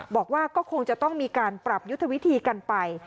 บอกว่าก็คงจะต้องมีการปรับยุทธวิธีกันไป